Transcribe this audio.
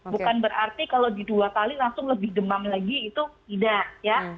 bukan berarti kalau di dua kali langsung lebih demam lagi itu tidak ya